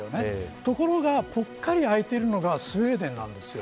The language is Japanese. ところが、ぽっかり空いているのがスウェーデンなんです。